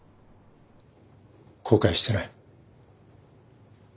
後悔してない。